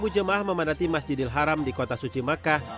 sepuluh jemaah memanati masjidil haram di kota suci makkah